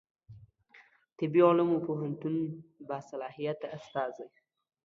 طبي علومو پوهنتون باصلاحیته استازی